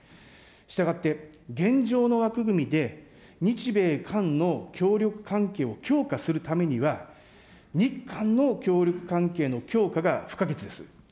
したがって、現状の枠組みで日米韓の協力関係を強化するためには、日韓の協力関係の強化が不可欠です。